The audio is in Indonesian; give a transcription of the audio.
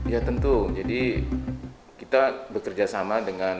ya tentu jadi kita bekerja sama dengan